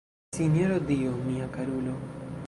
Sinjoro Dio, mia karulo!